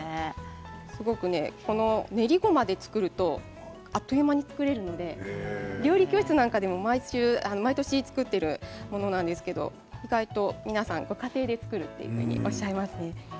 練りごまで作るとあっという間に作れるので料理教室なんかでも毎年作っているものなんですけど意外と皆さんご家庭で作るとおっしゃいますね。